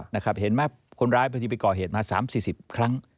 นะครับเห็นมาคนร้ายไปก่อเหตุมา๓๔๐ครั้ง